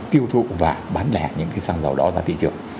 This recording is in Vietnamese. tiêu thụ vàng bán lẻ những cái xăng dầu đó ra thị trường